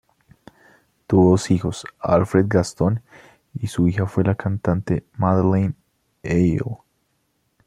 Tuvo dos hijos, Alfred Gastón y su hija fue la cantante Madeleine Aile.